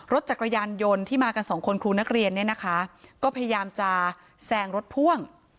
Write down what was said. รถจักรยานยนต์ที่มากันสองคนครูนักเรียนเนี่ยนะคะก็พยายามจะแซงรถพ่วง